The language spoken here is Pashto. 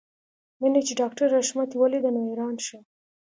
مينه چې ډاکټر حشمتي وليده نو حیران شو